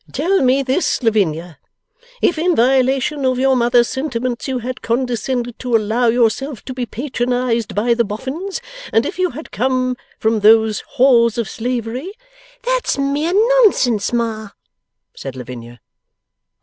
Tell me this, Lavinia. If in violation of your mother's sentiments, you had condescended to allow yourself to be patronized by the Boffins, and if you had come from those halls of slavery ' 'That's mere nonsense, Ma,' said Lavinia.